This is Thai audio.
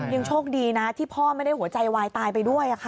ยังโชคดีนะที่พ่อไม่ได้หัวใจวายตายไปด้วย